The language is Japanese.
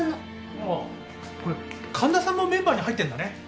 ああこれ神田さんもメンバーに入ってんだね。